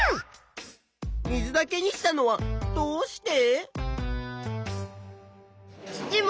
水だけにしたのはどうして？